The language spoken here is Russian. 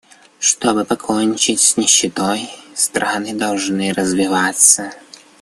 Чтобы покончить с нищетой, страны должны развиваться.